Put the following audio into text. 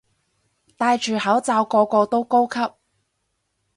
戴住口罩個個都高級